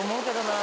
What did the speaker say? あ！